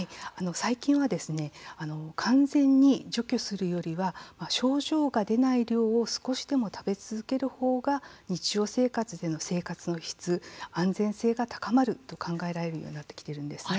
最近は完全に除去するよりは症状が出ない量を少しでも食べ続けるほうが日常生活での生活の質、安全性が高まると考えられるようになってきているんですね。